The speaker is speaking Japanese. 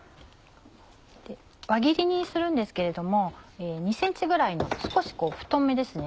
輪切りにするんですけれども２ｃｍぐらいの少し太めですね。